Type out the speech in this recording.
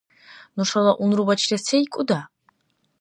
Нушала унрубачила сейкӀуда?